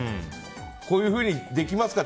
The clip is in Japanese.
こういうふうにできますかね。